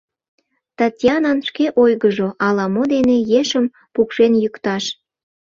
Татьянан шке ойгыжо, ала-мо дене ешым пукшен йӱкташ.